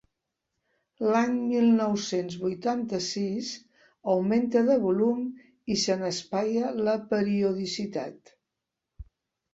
L'any mil nou-cents vuitanta-sis augmenta de volum i se n'espaia la periodicitat.